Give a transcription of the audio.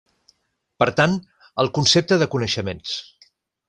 Per tant, el concepte de coneixements.